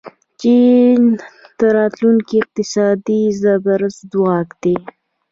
چین د راتلونکي اقتصادي زبرځواک دی.